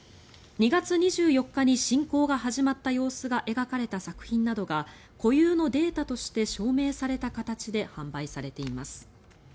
２月２４日に侵攻が始まった様子が描かれた作品などが固有のデータとして証明された形で販売されています。